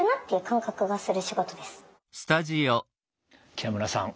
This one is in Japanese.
北村さん